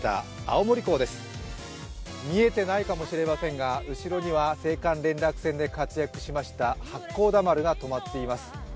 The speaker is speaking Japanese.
青森港です、見えていないかもしれませんが、後ろには青函連絡船で活躍しました「八甲田丸」が止まっています。